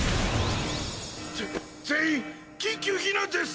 ぜ全員緊急避難です！